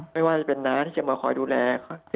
ไม่ว่าจะน้าเชื่อมาคอยดูแล